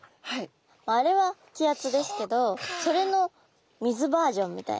まああれは気圧ですけどそれの水バージョンみたいな。